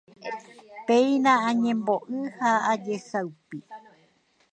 Péina añembo'y ha ajesaupi